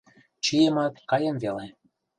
— Чиемат, каем веле.